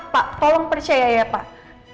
pak tolong percaya ya pak